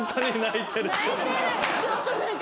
ちょっと何か。